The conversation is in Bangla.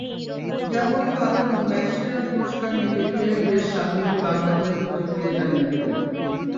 যেমন কাল ম্যাচসেরার পুরস্কার নিতে গিয়ে বেশ সাবলীল বাংলাতেই প্রতিক্রিয়া জানিয়ে দিলেন।